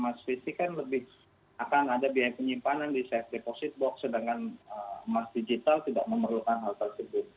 mas visi kan lebih akan ada biaya penyimpanan di deposit box sedangkan emas digital tidak memerlukan hal tersebut